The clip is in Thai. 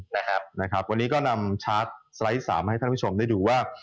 วันนี้ก็นำชาร์จสไลด์๓ให้ท่านผู้ชมได้ดูว่า